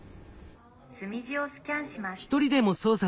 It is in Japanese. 「墨字をスキャンします」。